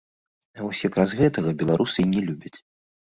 А вось якраз гэтага беларусы і не любяць.